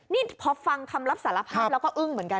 นี่พอฟังคำรับสารภาพแล้วก็อึ้งเหมือนกัน